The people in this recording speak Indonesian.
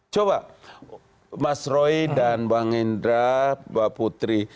coba mas roy dan bang indra mbak putri